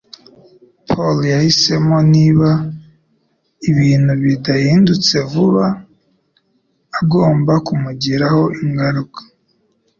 Paul yahisemo niba ibintu bidahindutse vuba agomba kumugiraho ingaruka.